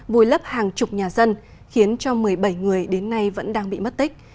vùi lấp hàng chục nhà dân khiến cho một mươi bảy người đến nay vẫn đang bị mất tích